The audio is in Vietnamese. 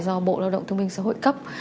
do bộ lao động thương minh xã hội cấp